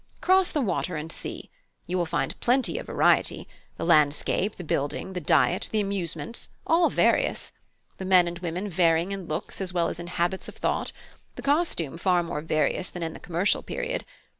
"Cross the water and see. You will find plenty of variety: the landscape, the building, the diet, the amusements, all various. The men and women varying in looks as well as in habits of thought; the costume far more various than in the commercial period.